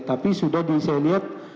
tapi sudah diselihat